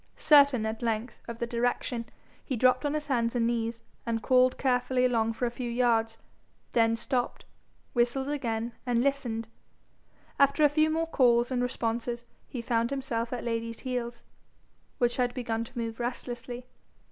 Certain at length of the direction, he dropped on his hands and knees, and crawled carefully along for a few yards, then stopped, whistled again, and listened. After a few more calls and responses, he found himself at Lady's heels, which had begun to move restlessly.